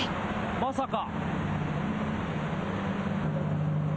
まさか。